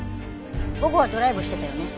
午後はドライブしてたよね？